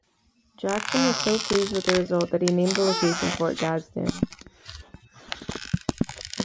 Jackson was so pleased with the result that he named the location Fort Gadsden.